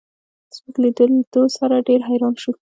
زموږ له لیدو سره ډېر حیران شو.